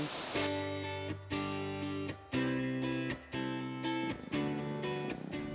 tegal juga menyimpan keindahan lautan yang tak biasa